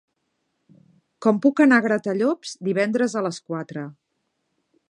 Com puc anar a Gratallops divendres a les quatre?